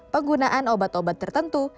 penggunaan obat obat tertentu